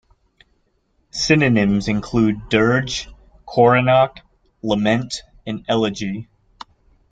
Synonyms include "dirge", "coronach", "lament" and "elegy".